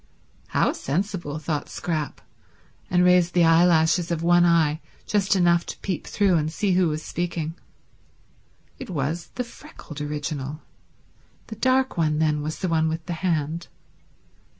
How sensible, thought Scrap; and raised the eye lashes of one eye just enough to peep through and see who was speaking. It was the freckled original. The dark one, then, was the one with the hand.